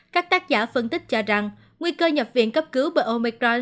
các tác giả phân tích cho rằng nguy cơ nhập viện cấp cứu bởi omicron